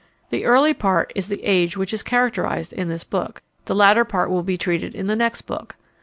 The early part is the age which is characterized in this book. The later part will be treated in the next book.